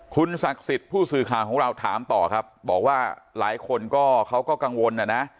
คุณศักดิ์สิทธิ์ผู้สื่อข่าวของเราถามต่อครับบอกว่าหลายคนก็เขาก็กังวลนะนะ